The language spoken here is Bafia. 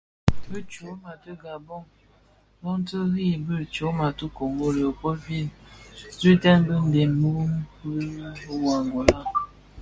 Bi tyoma ti a Gabon loň ti irig bi tyoma ti a Kongo Léo Paul Ville zugtèn bi ndem wu dhim wu a Angola.